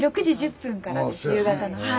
６時１０分から夕方の。